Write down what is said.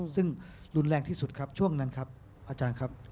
ซึ่งรุนแรงที่สุดครับช่วงนั้นครับอาจารย์ครับ